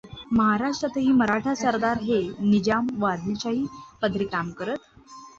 महाराष्ट्रातही मराठा सरदार हे निजाम व अदिलशाही पदरी काम करत.